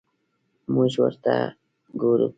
موږ ورته ګورو.